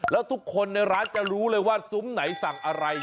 แล้วทุกคนในร้านจะรู้เลยว่าซุ้มไหนสั่งอะไร